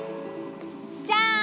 じゃん！